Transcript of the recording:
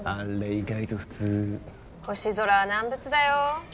意外と普通星空は難物だよ